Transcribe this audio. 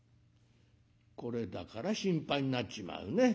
「これだから心配になっちまうね。